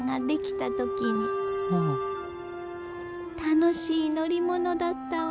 楽しい乗り物だったわ。